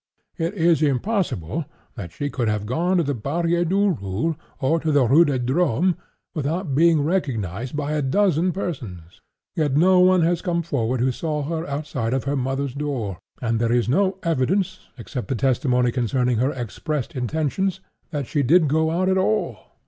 It is impossible that she could have gone to the Barrière du Roule, or to the Rue des Drômes, without being recognized by a dozen persons; yet no one has come forward who saw her outside of her mother's door, and there is no evidence, except the testimony concerning her expressed intentions, that she did go out at all.